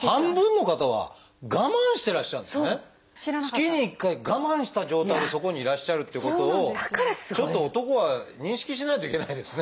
月に１回我慢した状態でそこにいらっしゃるってことをちょっと男は認識しないといけないですね。